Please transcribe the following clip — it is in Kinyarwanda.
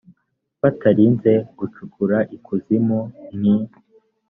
batarinze gucukura ikuzimu nk i